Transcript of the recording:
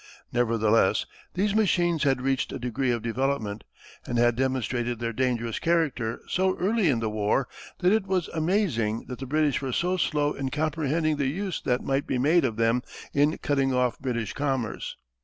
Nevertheless these machines had reached a degree of development, and had demonstrated their dangerous character so early in the war that it was amazing that the British were so slow in comprehending the use that might be made of them in cutting off British commerce.